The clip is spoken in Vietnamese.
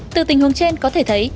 từ tình huống trên có thể thấy